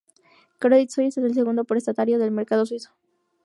Credit Suisse es el segundo prestatario del mercado suizo.